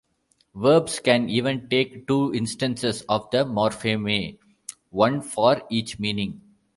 Verbs can even take two instances of the morpheme, one for each meaning.